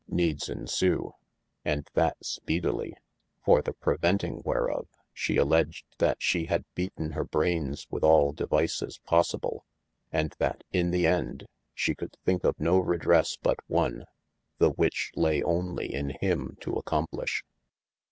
needes ensue, and that spedely, for the preventing whereof, she alledged that she had beaten hir braines with al devises possible, and that in the ende she could thinke of no redresse but one, the which lay only in him to acomplish.